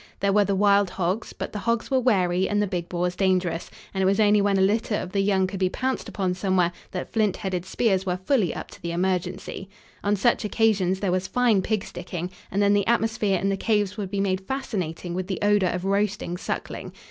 There were the wild hogs, but the hogs were wary and the big boars dangerous, and it was only when a litter of the young could be pounced upon somewhere that flint headed spears were fully up to the emergency. On such occasions there was fine pigsticking, and then the atmosphere in the caves would be made fascinating with the odor of roasting suckling.